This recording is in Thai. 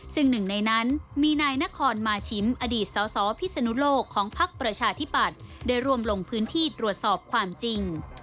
ซึ่งหนึ่งในนั้นมีนายนครมาชิมอดีตสสพิศนุโลกของพักประชาธิปัตย์ได้ร่วมลงพื้นที่ตรวจสอบความจริง